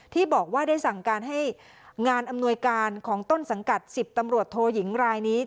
ที่บอกว่าได้สั่งการให้งานอำนวยการของต้นสังกัด๑๐ตำรวจโทยิงรายนี้